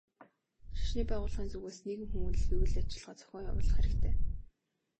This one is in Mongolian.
Шашны байгууллагын зүгээс нийгэм хүмүүнлэгийн үйл ажиллагаа зохион явуулах хэрэгтэй.